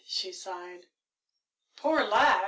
she sighed. "Poor lad!"